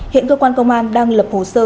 hiện cơ quan công an đang lập hồ sơ